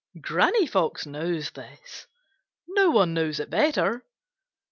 Granny Fox knows this. No one knows it better.